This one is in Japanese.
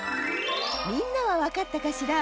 みんなはわかったかしら？